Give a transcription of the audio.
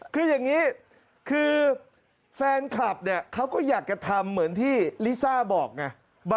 คืออย่างนี้คือแฟนคลับเนี่ยเขาก็อยากจะทำเหมือนที่ลิซ่าบอกไง